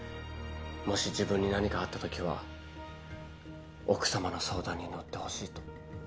もし自分に何かあったときは奥様の相談に乗ってほしいと。